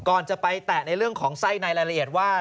ก่อนจะไปแตะในเรื่องของไส้ในรายละเอียดว่า